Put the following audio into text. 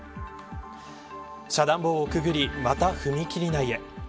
遮断棒をくぐりまた踏切内へ。